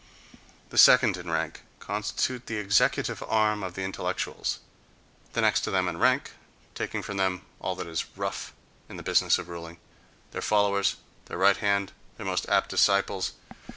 The second in rank constitute the executive arm of the intellectuals, the next to them in rank, taking from them all that is rough in the business of ruling—their followers, their right hand, their most apt disciples.